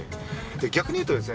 逆に言うとですね